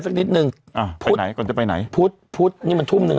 สักนิดนึงอ่าพุธไหนก่อนจะไปไหนพุธพุธนี่มันทุ่มหนึ่ง